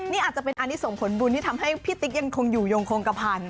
นี่อาจจะเป็นอันนี้ส่งผลบุญที่ทำให้พี่ติ๊กยังคงอยู่ยงโครงกระพัน